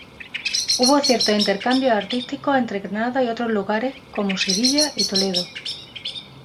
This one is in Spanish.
Hubo ciertos intercambios artísticos entre Granada y otros lugares, como Sevilla y Toledo.